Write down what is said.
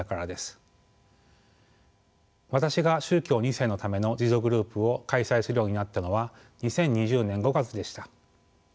私が宗教２世のための自助グループを開催するようになったのは２０２０年５月でした。